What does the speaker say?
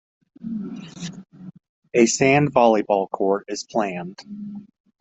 A sand volleyball court is planned.